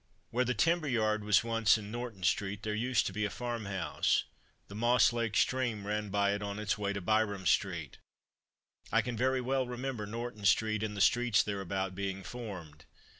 Where the timber yard was once in Norton street, there used to be a farm house. The Moss lake Stream ran by it on its way to Byrom street. I can very well remember Norton street and the streets thereabout being formed.